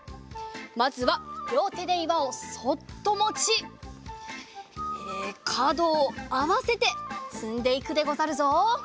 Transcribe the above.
まずはりょうてで岩をそっともちえかどをあわせてつんでいくでござるぞ。